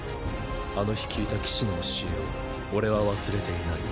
あの日聞いた「騎士の教え」を俺は忘れていない。